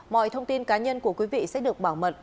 mọi thông tin cá nhân của quý vị sẽ được bảo mật